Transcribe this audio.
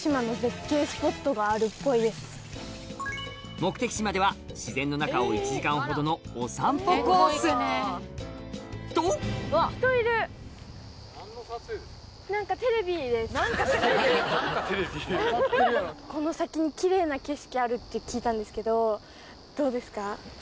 目的地までは自然の中を１時間ほどのお散歩コースと！って聞いたんですけどどうですか？